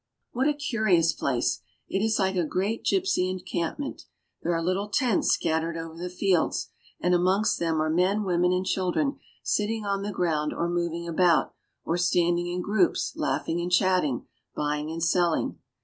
What a curious place ! It is like a great gypsy en campment. There are little tents scattered over the fields, and amongst them are men, women, and children sitting on the ground or moving about, or standing in groups laughing and chatting, buying and selling.